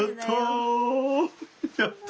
やった！